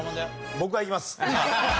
僕がいきます。